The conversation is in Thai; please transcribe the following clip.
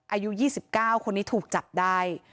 อายุ๒๙คนนี้ถูกจับได้